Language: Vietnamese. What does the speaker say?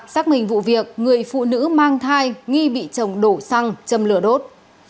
xác minh vụ việc người phụ nữ mang thai nghi bị chồng đổ xăng châm lửa đốt